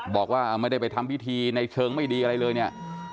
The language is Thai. บอกว่าไม่ได้ไปทำพิธีในเชิงไม่ดีอะไรเลยเนี่ย